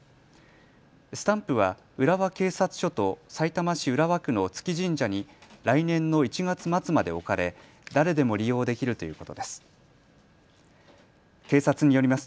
スタンプは浦和警察署とさいたま市浦和区の調神社に来年の１月末まで置かれ誰でも利用できるということです。